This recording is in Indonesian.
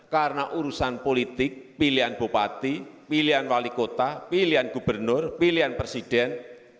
karena urusan politik pilihan bupati pilihan wali kota pilihan gubernur pilihan presiden